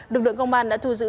lực lượng công an đã thu giữ